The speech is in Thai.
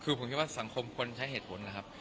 คือผมคิดว่าสังคมควรใช้เหตุผลนะครับ